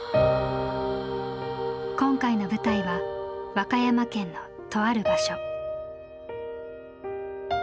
今回の舞台は和歌山県のとある場所。